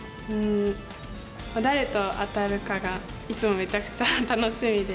誰と当たるかがいつもめちゃくちゃ楽しみで。